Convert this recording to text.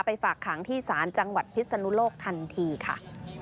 ฝากขังที่ศาลจังหวัดพิศนุโลกทันทีค่ะ